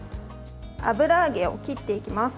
油揚げを切っていきます。